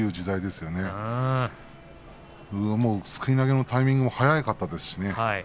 すくい投げのタイミングも速かったですしね。